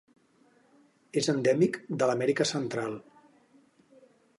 És endèmic de l'Amèrica Central.